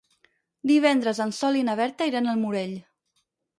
Divendres en Sol i na Berta iran al Morell.